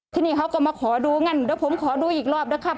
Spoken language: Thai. ที่นี่เขาก็มาขอดูงั้นเดี๋ยวผมขอดูอีกรอบนะครับ